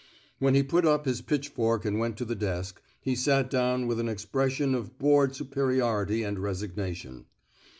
When he put up his pitchfork and went to the desk, he sat down with an expression of bored superiority and resignation.